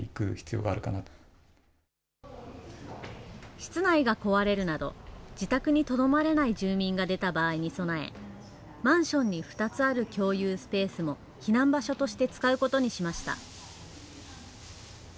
室内が壊れるなど、自宅にとどまれない住民が出た場合に備え、マンションに２つある共有スペースも、避難場所として使うことにしました。